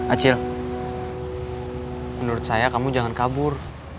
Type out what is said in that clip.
acil menurut saya kamu jangan kabur